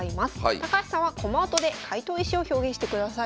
高橋さんは駒音で解答意志を表現してください。